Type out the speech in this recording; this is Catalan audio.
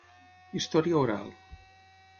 Història oral.